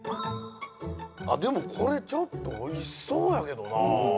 あっでもこれちょっとおいしそうやけどな。